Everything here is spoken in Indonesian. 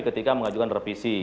ketika mengajukan direvisi